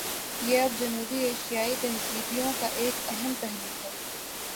یہ اب جنوبی ایشیائی تہذیبوں کا ایک اہم پہلو ہے۔